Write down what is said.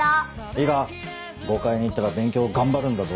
いいか５階に行ったら勉強頑張るんだぞ。